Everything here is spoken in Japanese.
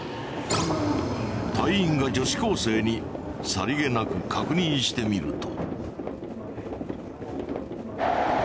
隊員が女子高生にさりげなく確認してみると。